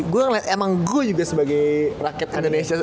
gue ngeliat emang gue juga sebagai rakyat indonesia